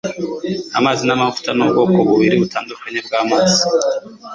Amazi namavuta nubwoko bubiri butandukanye bwamazi.